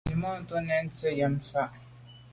Nzwimàntô nèn ntse’te nyàm fa.